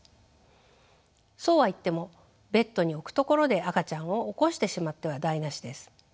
そうはいってもベッドに置くところで赤ちゃんを起こしてしまっては台なしです。